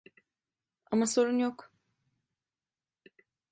Ama sorun yok.